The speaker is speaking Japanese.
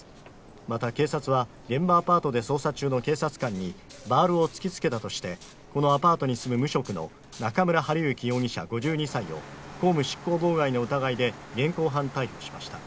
また、警察は現場アパートで捜査中の警察官にバールを突きつけたとしてこのアパートに住む無職の中村晴行容疑者５２歳を公務執行妨害の疑いで現行犯逮捕しました。